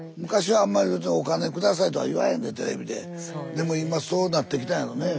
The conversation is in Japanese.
でも今そうなってきたんやろね。